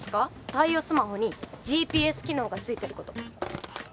貸与スマホにＧＰＳ機能が付いてること。